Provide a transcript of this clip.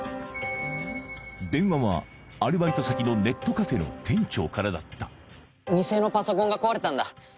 電話はアルバイト先のネットカフェの店長からだった店のパソコンが壊れたんだ